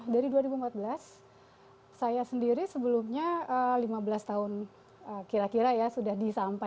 dari dua ribu empat belas saya sendiri sebelumnya lima belas tahun kira kira ya sudah disampaikan